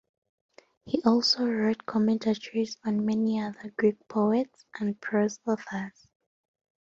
He also wrote commentaries on many other Greek poets and prose authors.